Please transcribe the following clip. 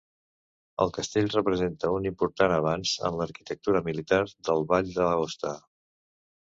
El castell representa un important avanç en l'arquitectura militar del Vall d'Aosta.